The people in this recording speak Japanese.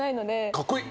かっこいい！